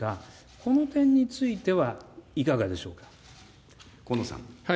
この点については、いかがでしょ河野さん。